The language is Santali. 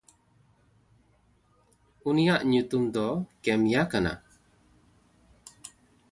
ᱩᱱᱤᱭᱟᱜ ᱧᱩᱛᱩᱢ ᱫᱚ ᱠᱮᱢᱭᱟ ᱠᱟᱱᱟ᱾